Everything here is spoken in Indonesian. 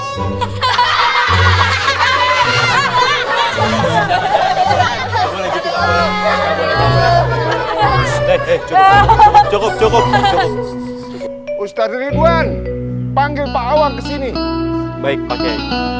cukup cukup ustaz ridwan panggil pak awang kesini baik pakai